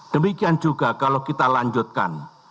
demikian juga kalau kita lanjutkan